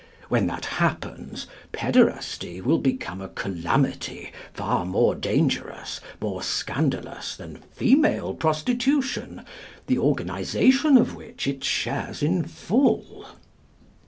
When that happens, pæderasty will become a calamity far more dangerous, more scandalous, than female prostitution, the organisation of which it shares in full.